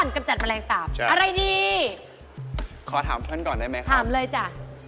ถามเลยจ้ะ